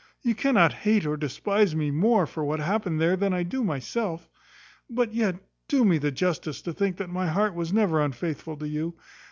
you cannot hate or despise me more for what happened there than I do myself; but yet do me the justice to think that my heart was never unfaithful to you.